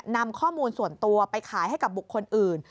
นำข้อมูลส่วนตัวไปขายให้กับบุคคลอื่น